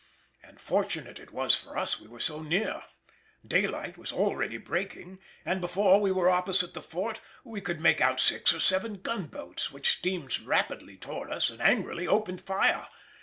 And fortunate it was for us we were so near. Daylight was already breaking, and before we were opposite the fort we could make out six or seven gunboats, which steamed rapidly towards us and angrily opened fire.